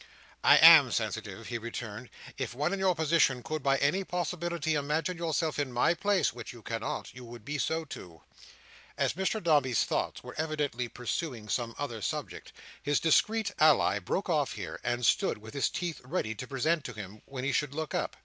"I am sensitive," he returned. "If one in your position could by any possibility imagine yourself in my place: which you cannot: you would be so too." As Mr Dombey's thoughts were evidently pursuing some other subject, his discreet ally broke off here, and stood with his teeth ready to present to him, when he should look up.